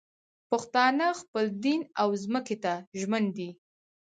پښتانه خپل دین او ځمکې ته ژمن دي